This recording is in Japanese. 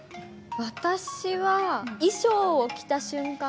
私は衣装を着た瞬間。